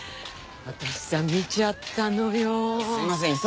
私さ見ちゃったのよ。